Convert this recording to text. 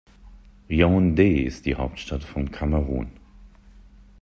Yaoundé ist die Hauptstadt von Kamerun.